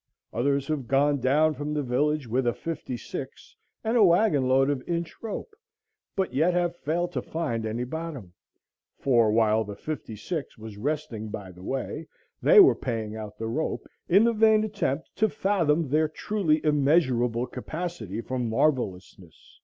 Others have gone down from the village with a "fifty six" and a wagon load of inch rope, but yet have failed to find any bottom; for while the "fifty six" was resting by the way, they were paying out the rope in the vain attempt to fathom their truly immeasurable capacity for marvellousness.